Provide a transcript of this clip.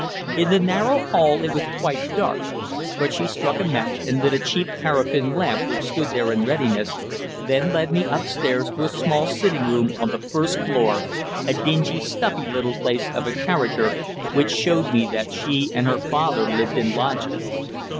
In the narrow hall it was quite dark, but she struck a match and lit a cheap paraffin lamp which stood there in readiness, then led me upstairs to a small sitting room on the first floor, a dingy, stuffy little place of a character which showed me that she and her father lived in lodgings.